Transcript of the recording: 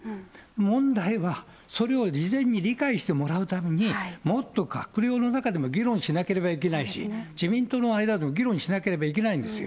問題は、それを事前に理解してもらうために、もっと閣僚の中でも議論しなければいけないし、自民党の間でも議論しなければいけないんですよ。